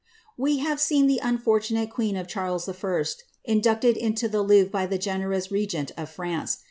' We have seen the unfortunate queen of Charles 1. inducted into the Louvre by the generous regent of France.